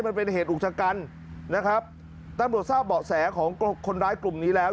มันเป็นเหตุอุกชะกันนะครับตำรวจทราบเบาะแสของคนร้ายกลุ่มนี้แล้ว